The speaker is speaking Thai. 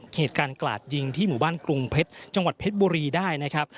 เหตุการณ์กลาดยิงที่หมู่บ้านกรุงเพชรจังหวัดเพชรบุรีได้นะครับ